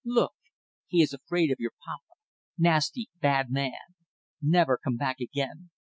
Look! He is afraid of your papa. Nasty, bad man. Never come back again.